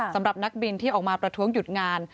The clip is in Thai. สำหรับนักบินที่ออกมาประท้วงหยุดงาน